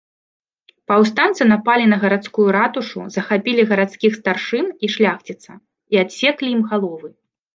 Паўстанцы напалі на гарадскую ратушу, захапілі гарадскіх старшын і шляхціца і адсеклі ім галовы.